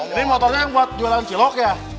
ini motornya yang buat jualan cilok ya